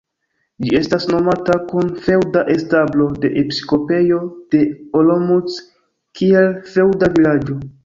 Ĝi estas nomata kun feŭda establo de episkopejo el Olomouc kiel feŭda vilaĝo.